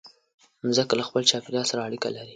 مځکه له خپل چاپېریال سره اړیکه لري.